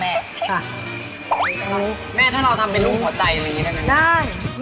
แม่ถ้าเราทำเป็นลูกหัวใจอย่างงี้ได้ไหม